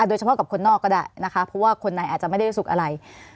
โดยเฉพาะกับคนนอกก็ได้นะคะเพราะว่าคนไหนอาจจะไม่ได้รู้สึกอะไร